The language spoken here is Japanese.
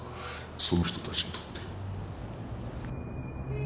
その人たちにとって。